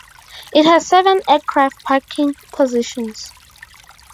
It has seven aircraft parking positions.